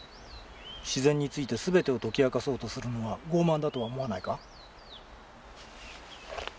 自然について全てを解き明かそうとするのは傲慢だとは思わないか？